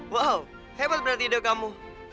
wow hebat berarti ide kamu